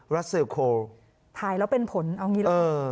รัสเซลโคลถ่ายแล้วเป็นผลเอางี้เลยเออ